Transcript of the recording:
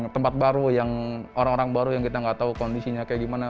tempat baru yang orang orang baru yang kita nggak tahu kondisinya kayak gimana